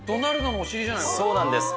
そうなんです。